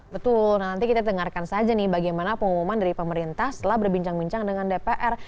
betul nanti kita dengarkan saja nih bagaimana pengumuman dari pemerintah setelah berbincang bincang dengan dpr